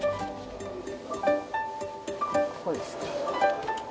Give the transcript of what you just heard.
ここですね。